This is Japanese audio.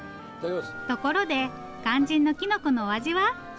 ところで肝心のきのこのお味は？